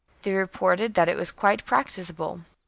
They reported that it was quite prac ticable.